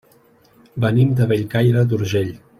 Venim de Bellcaire d'Urgell.